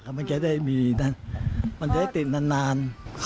ก็มันจะได้มีมาติดนาน